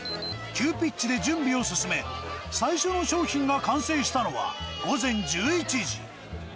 急ピッチで準備を進め、最初の商品が完成したのは、午前１１時。